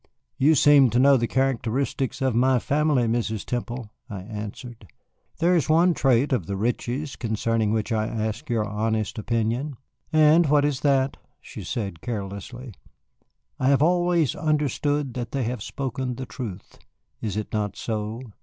"You seem to know the characteristics of my family, Mrs. Temple," I answered. "There is one trait of the Ritchies concerning which I ask your honest opinion." "And what is that?" she said carelessly. "I have always understood that they have spoken the truth. Is it not so?"